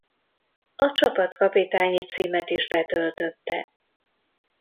A csapatkapitányi címet is betöltötte.